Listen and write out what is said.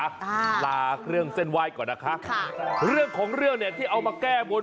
อ่าลาเครื่องเส้นไหว้ก่อนนะคะค่ะเรื่องของเรื่องเนี่ยที่เอามาแก้บน